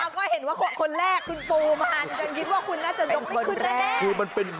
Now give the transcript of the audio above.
แล้วก็เห็นว่าคนแรกคุณปูมันยังคิดว่าคุณน่าจะยกไม่คุณแรก